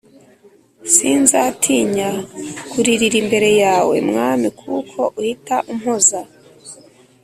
Sinzatinya kuririra imbere yawe mwami kuko uhita umpoza